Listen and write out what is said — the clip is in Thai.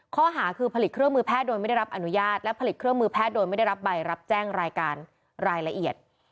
ข้อหาคือผลิตเครื่องมือแพทย์โดยไม่ได้รับอนุญาตและผลิตเครื่องมือแพทย์โดยไม่ได้รับใบรับแจ้งรายการรายละเอียด